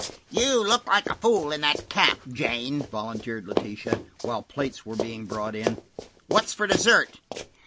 "You look like a fool in that cap, Jane," volunteered Letitia, while the plates were being brought in. "What's for dessert?"